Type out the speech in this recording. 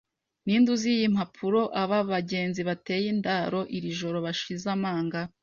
Ninde uzi iyi mpapuro. Aba bagenzi bateye indaro iri joro - bashize amanga,